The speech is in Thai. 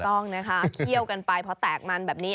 ต้องนะคะเคี่ยวกันไปพอแตกมันแบบนี้